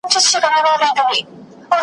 خدای دي ووهه پر ما به توره شپه کړې .